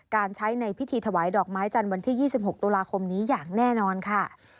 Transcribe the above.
การใช้ในพิธีถวายดอกไม้จันทร์วันที่๒๖ตุลาคมนี้อย่างแน่นอนค่ะ